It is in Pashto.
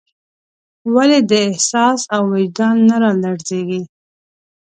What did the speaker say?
ولې دې احساس او وجدان نه رالړزېږي.